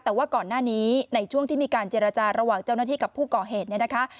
แต่ว่าก่อนหน้านี้ในช่วงที่มีการเจรจาระหว่างเจ้าหน้าที่กับผู้ก่อเหตุเนี่ยนะคะ